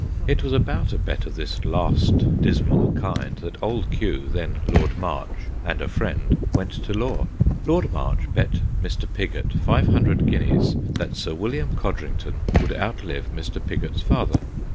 It was about a bet of this last dismal kind that Old Q., then Lord March, and a friend went to law. Lord March bet Mr. Pigot five hundred guineas that Sir William Codrington would outlive Mr. Pigot's father.